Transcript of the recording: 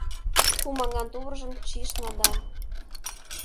Кум аҥан тувыржым чийышна да